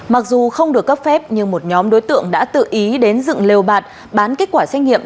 mặc dù không được cấp phép nhưng một nhóm đối tượng đã tự ý đến dựng lều bạt bán kết quả xét nghiệm